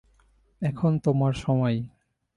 এখন তোমার সময়।